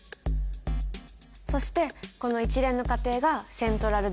そしてこの一連の過程が「セントラルドグマ」。